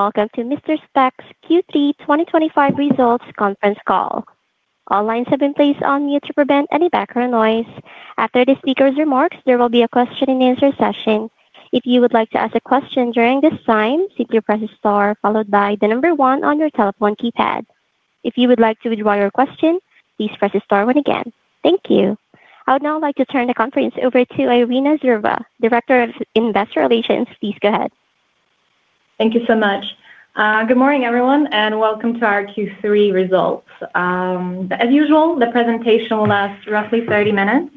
Welcome to Mister Spex Q3 2025 results conference call. All lines have been placed on mute to prevent any background noise. After the speaker's remarks, there will be a question-and-answer session. If you would like to ask a question during this time, simply press the star followed by the number one on your telephone keypad. If you would like to withdraw your question, please press the star one again. Thank you. I would now like to turn the conference over to Irina Zhurba, Director of Investor Relations. Please go ahead. Thank you so much. Good morning, everyone, and welcome to our Q3 results. As usual, the presentation will last roughly 30 minutes.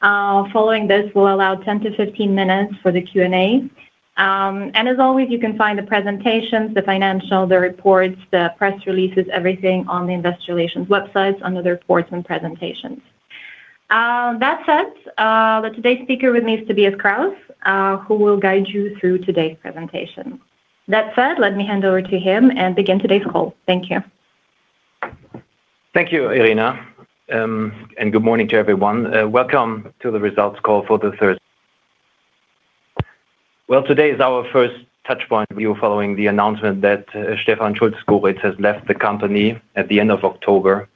Following this, we'll allow 10-15 minutes for the Q&A. As always, you can find the presentations, the financials, the reports, the press releases, everything on the investor relations websites under the reports and presentations. That said, today's speaker with me is Tobias Krauss, who will guide you through today's presentation. That said, let me hand over to him and begin today's call. Thank you. Thank you, Irina. Good morning to everyone. Welcome to the results call for the third. Today is our first touchpoint view following the announcement that Stephan Schulz-Gohritz has left the company at the end of October.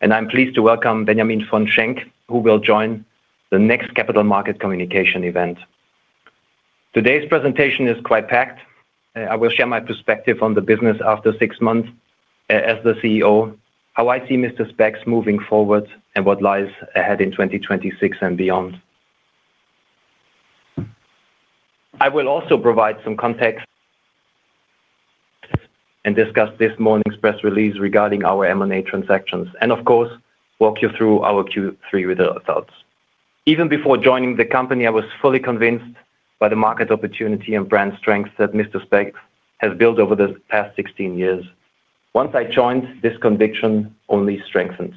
I am pleased to welcome Benjamin von Schenck, who will join the next Capital Markets Communication event. Today's presentation is quite packed. I will share my perspective on the business after six months as the CEO, how I see Mister Spex moving forward, and what lies ahead in 2026 and beyond. I will also provide some context and discuss this morning's press release regarding our M&A transactions. Of course, I will walk you through our Q3 results. Even before joining the company, I was fully convinced by the market opportunity and brand strength that Mister Spex has built over the past 16 years. Once I joined, this conviction only strengthened.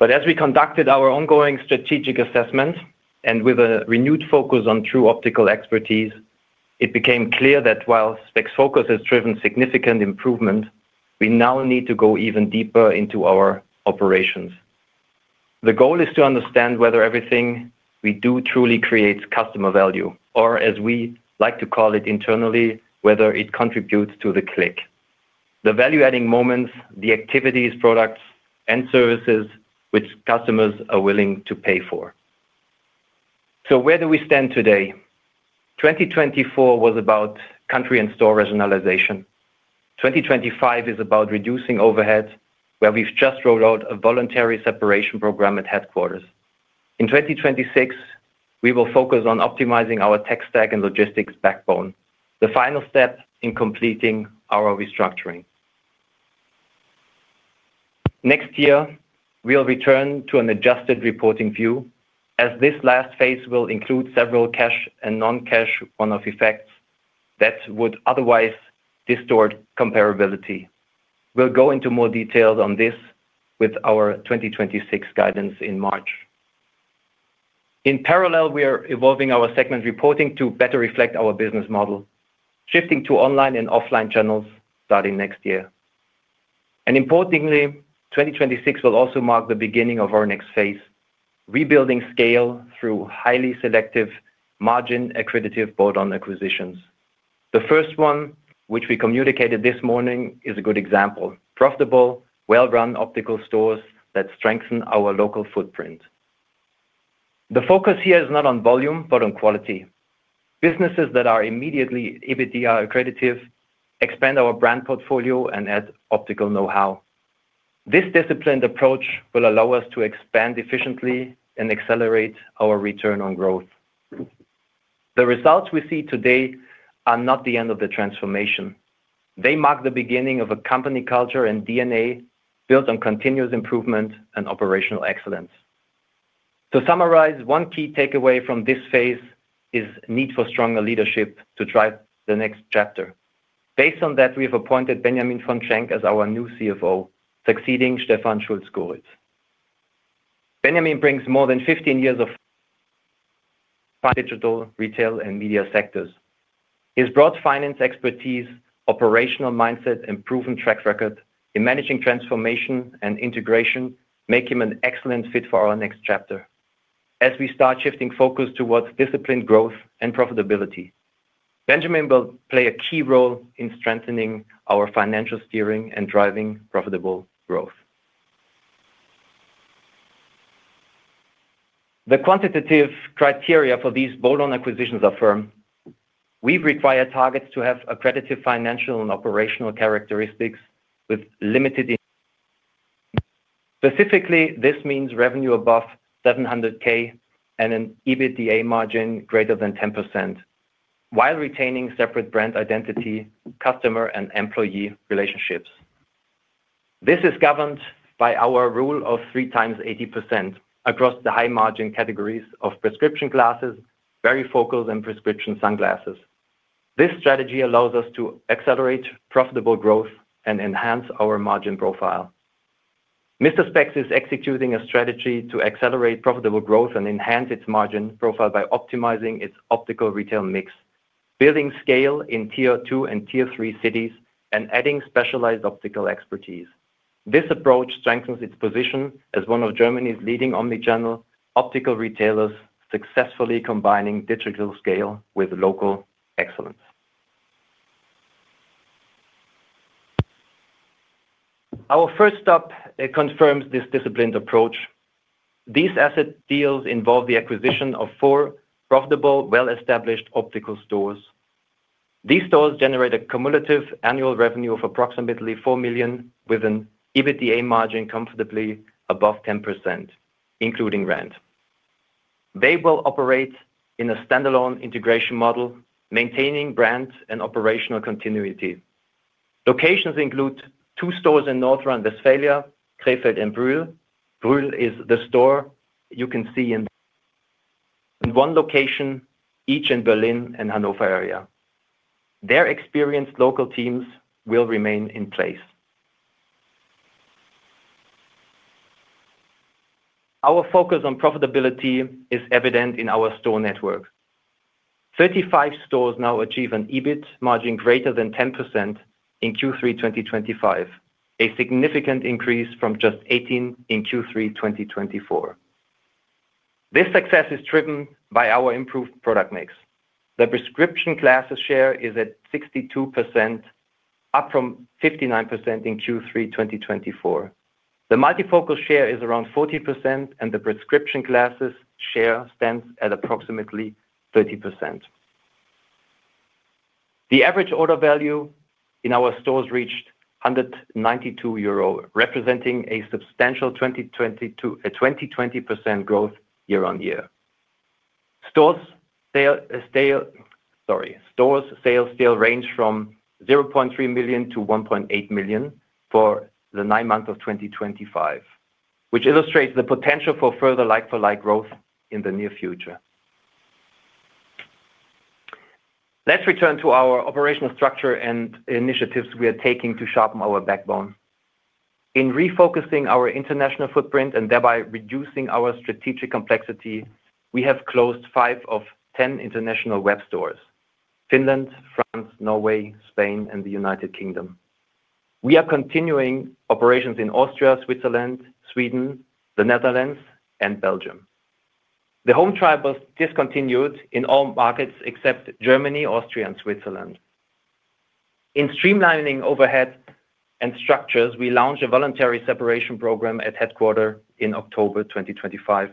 As we conducted our ongoing strategic assessment, and with a renewed focus on true optical expertise, it became clear that while SpexFocus has driven significant improvement, we now need to go even deeper into our operations. The goal is to understand whether everything we do truly creates customer value, or as we like to call it internally, whether it contributes to the click, the value-adding moments, the activities, products, and services which customers are willing to pay for. Where do we stand today? 2024 was about country and store regionalization. 2025 is about reducing overhead, where we've just rolled out a voluntary separation program at headquarters. In 2026, we will focus on optimizing our tech stack and logistics backbone, the final step in completing our restructuring. Next year, we'll return to an adjusted reporting view, as this last phase will include several cash and non-cash one-off effects that would otherwise distort comparability. We'll go into more detail on this with our 2026 guidance in March. In parallel, we are evolving our segment reporting to better reflect our business model, shifting to online and offline channels starting next year. Importantly, 2026 will also mark the beginning of our next phase, rebuilding scale through highly selective margin-accredited bolt-on acquisitions. The first one, which we communicated this morning, is a good example: profitable, well-run optical stores that strengthen our local footprint. The focus here is not on volume, but on quality. Businesses that are immediately EBITDA accredited expand our brand portfolio and add optical know-how. This disciplined approach will allow us to expand efficiently and accelerate our return on growth. The results we see today are not the end of the transformation. They mark the beginning of a company culture and DNA built on continuous improvement and operational excellence. To summarize, one key takeaway from this phase is the need for stronger leadership to drive the next chapter. Based on that, we have appointed Benjamin von Schenck as our new CFO, succeeding Stephan Schulz-Gohritz. Benjamin brings more than 15 years of digital, retail, and media sectors. His broad finance expertise, operational mindset, and proven track record in managing transformation and integration make him an excellent fit for our next chapter as we start shifting focus towards disciplined growth and profitability. Benjamin will play a key role in strengthening our financial steering and driving profitable growth. The quantitative criteria for these bolt-on acquisitions are firm. We require targets to have accredited financial and operational characteristics with limited. Specifically, this means revenue above 700,000 and an EBITDA margin greater than 10%, while retaining separate brand identity, customer, and employee relationships. This is governed by our rule of 3 x 80% across the high-margin categories of prescription glasses, varifocal, and prescription sunglasses. This strategy allows us to accelerate profitable growth and enhance our margin profile. Mister Spex is executing a strategy to accelerate profitable growth and enhance its margin profile by optimizing its optical retail mix, building scale in Tier 2 and Tier 3 cities, and adding specialized optical expertise. This approach strengthens its position as one of Germany's leading omnichannel optical retailers, successfully combining digital scale with local excellence. Our first stop confirms this disciplined approach. These asset deals involve the acquisition of four profitable, well-established optical stores. These stores generate a cumulative annual revenue of approximately 4 million with an EBITDA margin comfortably above 10%, including rent. They will operate in a standalone integration model, maintaining brand and operational continuity. Locations include two stores in North Rhine-Westphalia, Krefeld and Brühl. Brühl is the store you can see in one location, each in Berlin and Hannover area. Their experienced local teams will remain in place. Our focus on profitability is evident in our store network. Thirty-five stores now achieve an EBIT margin greater than 10% in Q3 2025, a significant increase from just 18 in Q3 2024. This success is driven by our improved product mix. The prescription glasses share is at 62%, up from 59% in Q3 2024. The multi-focus share is around 40%, and the prescription glasses share stands at approximately 30%. The average order value in our stores reached 192 euro, representing a substantial 20% growth year-on-year. Stores' sales still range from 0.3 million-1.8 million for the nine months of 2025, which illustrates the potential for further like-for-like growth in the near future. Let's return to our operational structure and initiatives we are taking to sharpen our backbone. In refocusing our international footprint and thereby reducing our strategic complexity, we have closed five of 10 international web stores: Finland, France, Norway, Spain, and the United Kingdom. We are continuing operations in Austria, Switzerland, Sweden, the Netherlands, and Belgium. The home trial is discontinued in all markets except Germany, Austria, and Switzerland. In streamlining overhead and structures, we launched a voluntary separation program at headquarters in October 2025.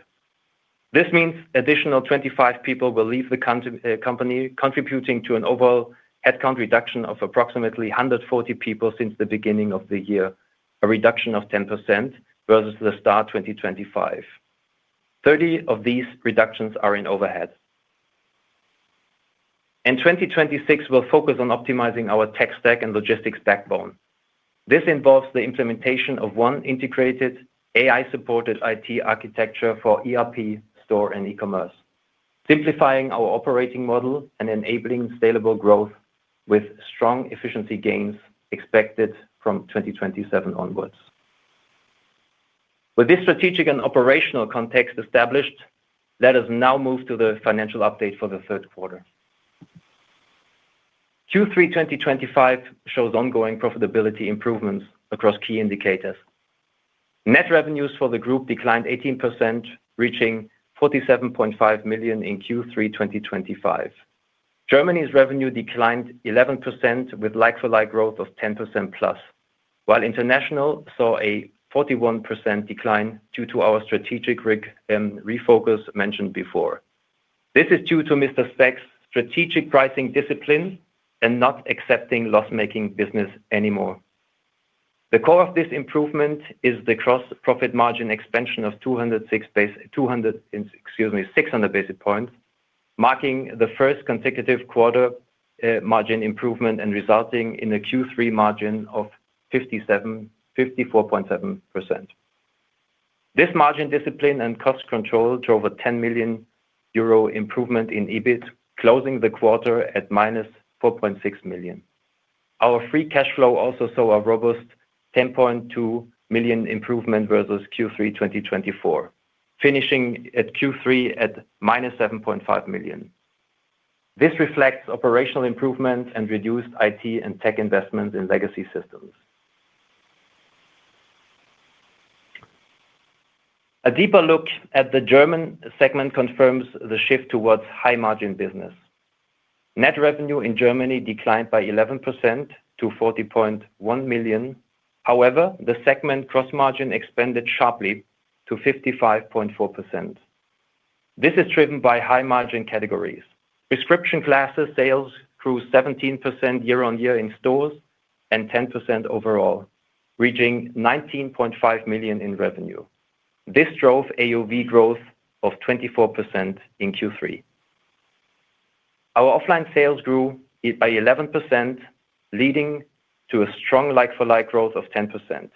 This means additional 25 people will leave the company, contributing to an overall headcount reduction of approximately 140 people since the beginning of the year, a reduction of 10% versus the start of 2025. Thirty of these reductions are in overhead. 2026 will focus on optimizing our tech stack and logistics backbone. This involves the implementation of one integrated AI-supported IT architecture for ERP, store, and e-commerce, simplifying our operating model and enabling scalable growth with strong efficiency gains expected from 2027 onwards. With this strategic and operational context established, let us now move to the financial update for the third quarter. Q3 2025 shows ongoing profitability improvements across key indicators. Net revenues for the group declined 18%, reaching 47.5 million in Q3 2025. Germany's revenue declined 11% with like-for-like growth of 10%+, while international saw a 41% decline due to our strategic refocus mentioned before. This is due to Mister Spex's strategic pricing discipline and not accepting loss-making business anymore. The core of this improvement is the gross profit margin expansion of 600 basis points, marking the first consecutive quarter margin improvement and resulting in a Q3 margin of 54.7%. This margin discipline and cost control drove a 10 million euro improvement in EBIT, closing the quarter at -4.6 million. Our free cash flow also saw a robust 10.2 million improvement versus Q3 2024, finishing at Q3 at -7.5 million. This reflects operational improvements and reduced IT and tech investments in legacy systems. A deeper look at the German segment confirms the shift towards high-margin business. Net revenue in Germany declined by 11% to 40.1 million. However, the segment gross margin expanded sharply to 55.4%. This is driven by high-margin categories. Prescription glasses sales grew 17% year-on-year in stores and 10% overall, reaching 19.5 million in revenue. This drove AOV growth of 24% in Q3. Our offline sales grew by 11%, leading to a strong like-for-like growth of 10%.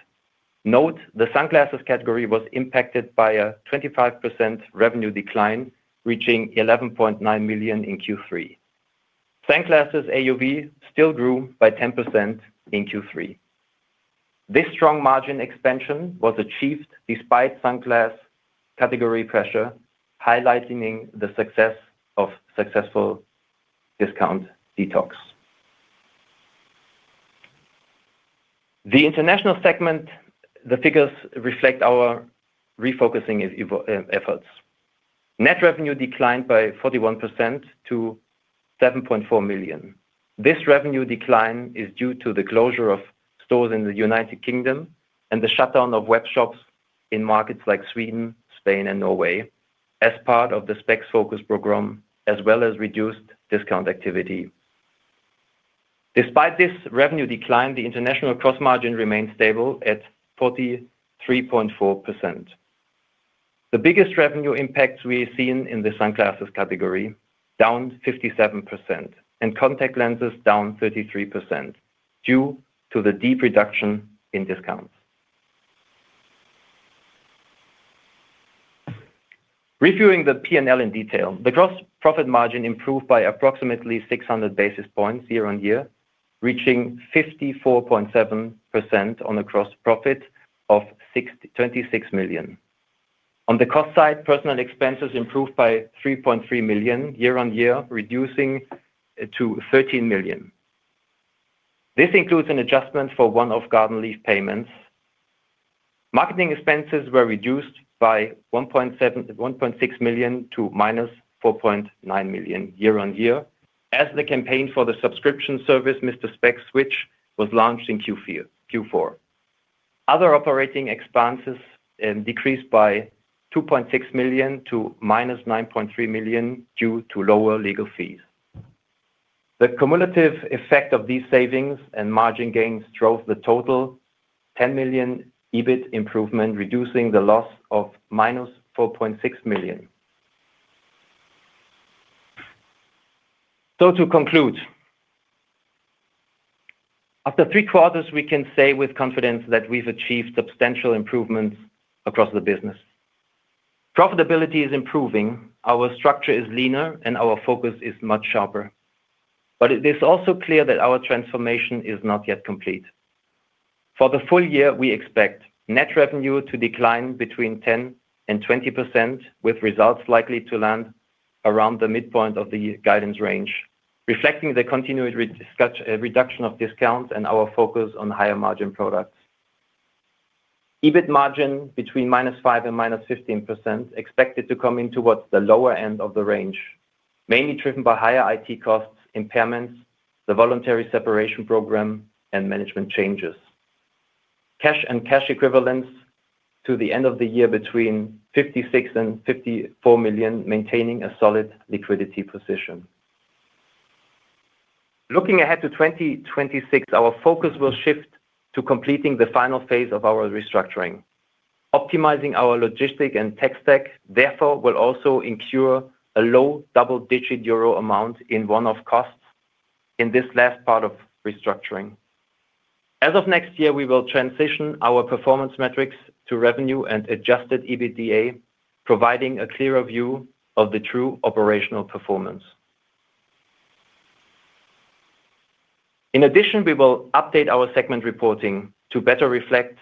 Note, the sunglasses category was impacted by a 25% revenue decline, reaching 11.9 million in Q3. Sunglasses AOV still grew by 10% in Q3. This strong margin expansion was achieved despite sunglass category pressure, highlighting the success of successful discount detox. The international segment, the figures reflect our refocusing efforts. Net revenue declined by 41% to 7.4 million. This revenue decline is due to the closure of stores in the United Kingdom and the shutdown of web shops in markets like Sweden, Spain, and Norway as part of the SpexFocus program, as well as reduced discount activity. Despite this revenue decline, the international gross margin remained stable at 43.4%. The biggest revenue impacts we have seen in the sunglasses category are down 57% and contact lenses down 33% due to the deep reduction in discounts. Reviewing the P&L in detail, the gross profit margin improved by approximately 600 basis points year-on-year, reaching 54.7% on a gross profit of 26 million. On the cost side, personnel expenses improved by 3.3 million year-on-year, reducing to 13 million. This includes an adjustment for one-off garden leave payments. Marketing expenses were reduced by 1.6 million to -4.9 million year-on-year as the campaign for the subscription service, Mister Spex Switch, was launched in Q4. Other operating expenses decreased by 2.6 million to -9.3 million due to lower legal fees. The cumulative effect of these savings and margin gains drove the total 10 million EBIT improvement, reducing the loss of -4.6 million. To conclude, after three quarters, we can say with confidence that we've achieved substantial improvements across the business. Profitability is improving, our structure is leaner, and our focus is much sharper. It is also clear that our transformation is not yet complete. For the full year, we expect net revenue to decline between 10%-20%, with results likely to land around the midpoint of the guidance range, reflecting the continued reduction of discounts and our focus on higher margin products. EBIT margin between -5% and -15% is expected to come in towards the lower end of the range, mainly driven by higher IT costs, impairments, the voluntary separation program, and management changes. Cash and cash equivalents to the end of the year between 56 million and 54 million, maintaining a solid liquidity position. Looking ahead to 2026, our focus will shift to completing the final phase of our restructuring. Optimizing our logistic and tech stack, therefore, will also incur a low double-digit euro amount in one-off costs in this last part of restructuring. As of next year, we will transition our performance metrics to revenue and adjusted EBITDA, providing a clearer view of the true operational performance. In addition, we will update our segment reporting to better reflect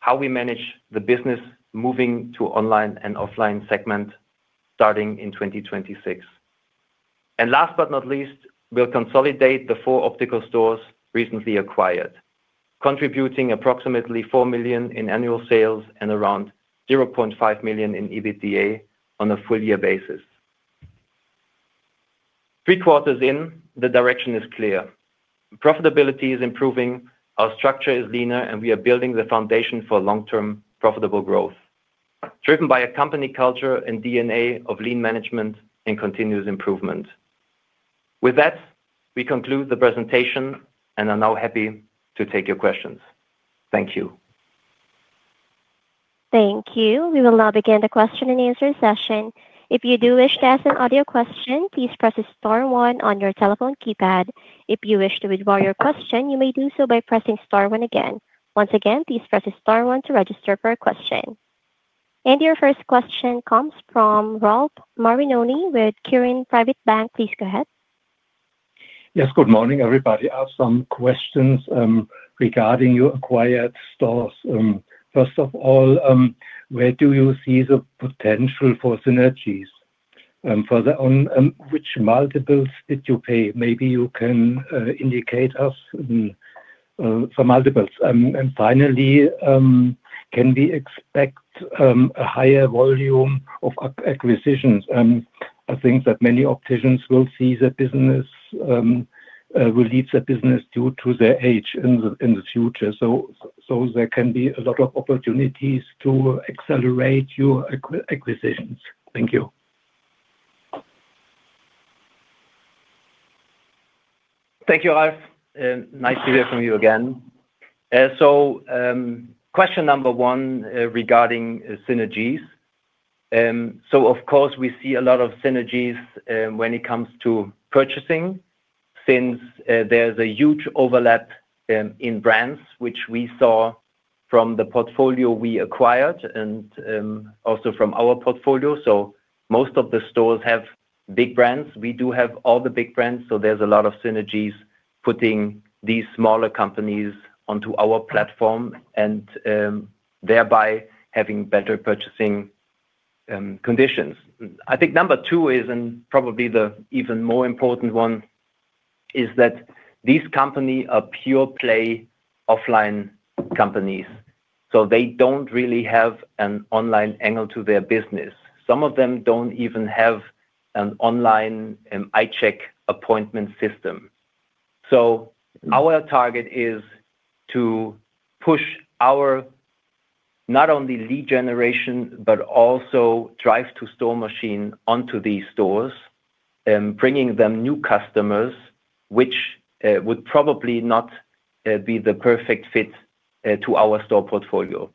how we manage the business moving to online and offline segments starting in 2026. Last but not least, we will consolidate the four optical stores recently acquired, contributing approximately 4 million in annual sales and around 0.5 million in EBITDA on a full-year basis. Three quarters in, the direction is clear. Profitability is improving, our structure is leaner, and we are building the foundation for long-term profitable growth, driven by a company culture and DNA of lean management and continuous improvement. With that, we conclude the presentation and are now happy to take your questions. Thank you. Thank you. We will now begin the question and answer session. If you do wish to ask an audio question, please press star one on your telephone keypad. If you wish to withdraw your question, you may do so by pressing star one again. Once again, please press star one to register for a question. Your first question comes from Ralf Marinoni with Quirin Privatbank. Please go ahead. Yes, good morning, everybody. I have some questions regarding your acquired stores. First of all, where do you see the potential for synergies? Further on, which multiples did you pay? Maybe you can indicate us for multiples. And finally, can we expect a higher volume of acquisitions? I think that many opticians will see their business, will leave their business due to their age in the future. So there can be a lot of opportunities to accelerate your acquisitions. Thank you. Thank you, Ralf. Nice to hear from you again. Question number one regarding synergies. Of course, we see a lot of synergies when it comes to purchasing since there's a huge overlap in brands, which we saw from the portfolio we acquired and also from our portfolio. Most of the stores have big brands. We do have all the big brands, so there's a lot of synergies putting these smaller companies onto our platform and thereby having better purchasing conditions. I think number two is, and probably the even more important one, is that these companies are pure-play offline companies. They do not really have an online angle to their business. Some of them do not even have an online eye check appointment system. Our target is to push our not only lead generation, but also drive-to-store machine onto these stores, bringing them new customers, which would probably not be the perfect fit to our store portfolio.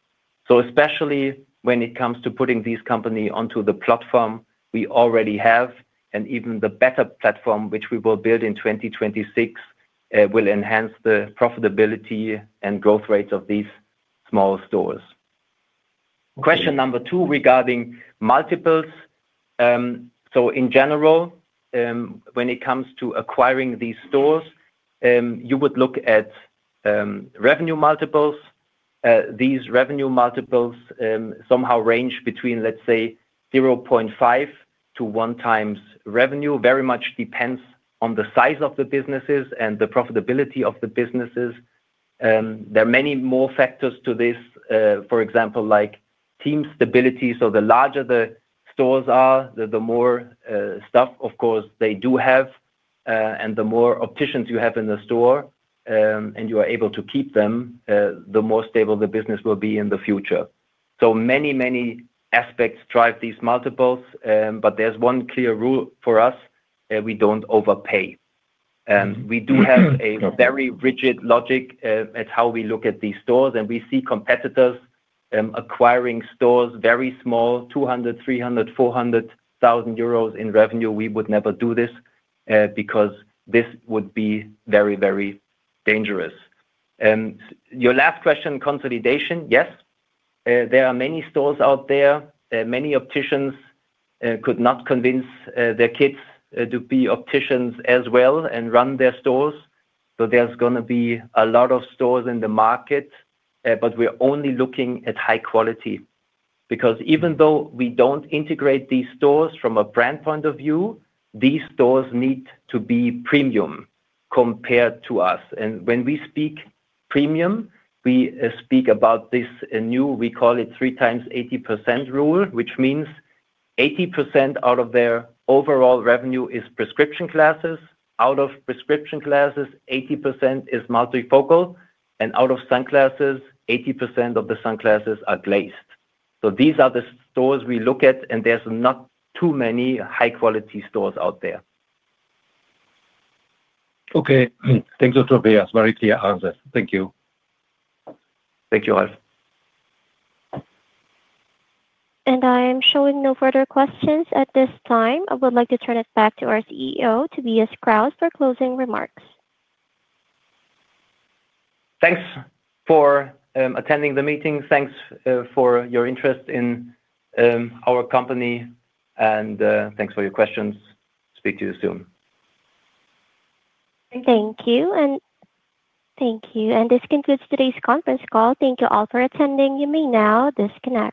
Especially when it comes to putting these companies onto the platform we already have, and even the better platform which we will build in 2026 will enhance the profitability and growth rates of these small stores. Question number two regarding multiples. In general, when it comes to acquiring these stores, you would look at revenue multiples. These revenue multiples somehow range between, let's say, 0.5x-1x revenue. Very much depends on the size of the businesses and the profitability of the businesses. There are many more factors to this, for example, like team stability. The larger the stores are, the more staff, of course, they do have, and the more opticians you have in the store and you are able to keep them, the more stable the business will be in the future. Many, many aspects drive these multiples. There is one clear rule for us: we do not overpay. We do have a very rigid logic at how we look at these stores, and we see competitors acquiring stores very small, 200,000, 300,000, 400,000 euros in revenue. We would never do this because this would be very, very dangerous. Your last question, consolidation, yes. There are many stores out there. Many opticians could not convince their kids to be opticians as well and run their stores. There is going to be a lot of stores in the market, but we are only looking at high quality because even though we do not integrate these stores from a brand point of view, these stores need to be premium compared to us. When we speak premium, we speak about this new, we call it 3 x 80% rule, which means 80% out of their overall revenue is prescription glasses. Out of prescription glasses, 80% is multifocal, and out of sunglasses, 80% of the sunglasses are glazed. These are the stores we look at, and there are not too many high-quality stores out there. Okay. Thank you, Tobias. Very clear answer. Thank you. Thank you, Ralf. I am showing no further questions at this time. I would like to turn it back to our CEO, Tobias Krauss, for closing remarks. Thanks for attending the meeting. Thanks for your interest in our company, and thanks for your questions. Speak to you soon. Thank you. This concludes today's conference call. Thank you all for attending. You may now disconnect.